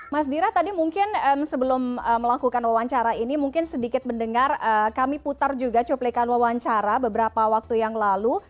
mas dira tadi mungkin sebelum melakukan wawancara ini mungkin sedikit mendengar kami putar juga cuplikan wawancara beberapa waktu yang lalu